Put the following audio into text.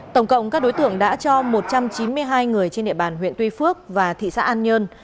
tổng cộng các đối tượng đã cho một trăm chín mươi hai người trên địa bàn huyện tuy phước và thị xã an nhơn